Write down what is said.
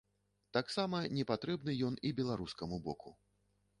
Гэтаксама не патрэбны ён і беларускаму боку.